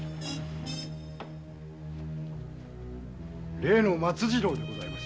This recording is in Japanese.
例の松次郎でございます。